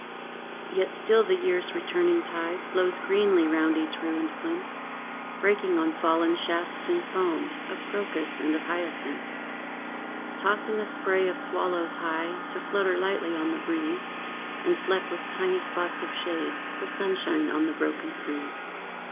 Yet still the year's returning tide Flows greenly round each ruined plinth, Breaking on fallen shafts in foam Of crocus and of hyacinth: Tossing a spray of swallows high, To flutter lightly on the breeze And fleck with tiny spots of shade The sunshine on the broken frieze.